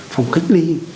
phòng cách ly